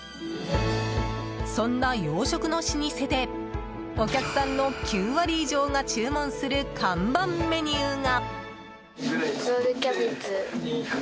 そんな洋食の老舗でお客さんの９割以上が注文する看板メニューが。